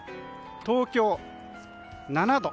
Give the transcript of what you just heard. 東京、７度。